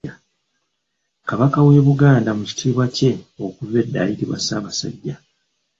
Kabaka w'e Buganda mu kitiibwa kye okuva edda ayitibwa Ssaabasajja.